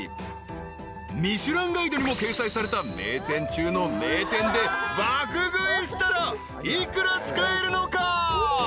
［『ミシュランガイド』にも掲載された名店中の名店で爆食いしたら幾ら使えるのか？］